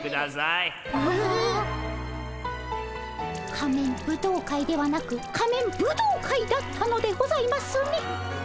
仮面舞踏会ではなく仮面ブドウ会だったのでございますね。